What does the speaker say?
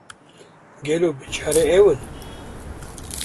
Gelo biçare ew in?